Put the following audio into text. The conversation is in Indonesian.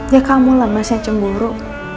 ya kamu lah mas yang cemburu